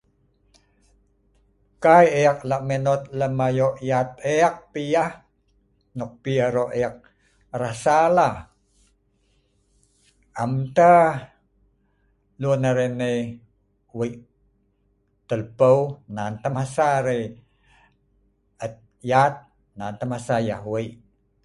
Ka'ai ek la' me not lem ayod ya'at pi yah no'ok pi aro' ek rasa la , am ta'ah lun arai nai wei' tel pu'u nan ta'ah masa arai nai er ya'at nan ta'ah masa arai wei' ya'at.